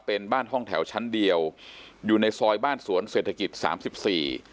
เป็นบ้านห้องแถวชั้นเดียวอยู่ในซอยบ้านสวนเศรษฐกิจสามสิบสี่